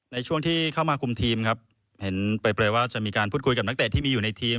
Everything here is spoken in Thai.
ในช่วงที่เข้ามาคุมทีมครับเห็นเปลยว่าจะมีการพูดคุยกับนักเตะที่มีอยู่ในทีม